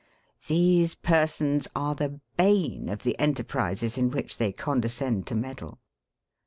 These persons are the bane of the enterprises in which they condescend to meddle.